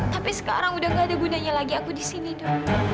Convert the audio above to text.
tapi sekarang sudah tidak ada gunanya lagi aku di sini do